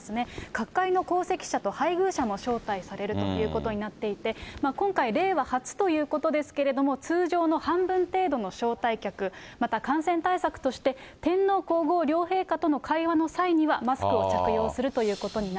各界の功労者と、配偶者も招待されるということになっていて、今回、令和初ということですけれども、通常の半分程度の招待客、また感染対策として、天皇皇后両陛下との会話の際にはマスクを着用するということにな